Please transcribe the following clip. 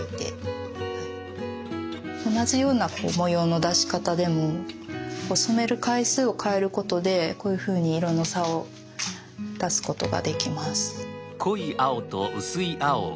同じような模様の出し方でも染める回数を変えることでこういうふうに色の差を出すことができます。